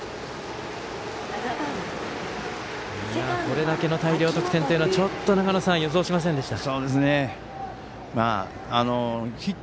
これだけの大量得点というのはちょっと、長野さん予想しませんでした。